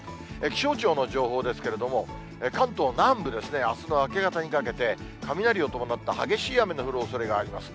気象庁の情報ですけれども、関東南部ですね、あすの明け方にかけて、雷を伴った激しい雨の降るおそれがあります。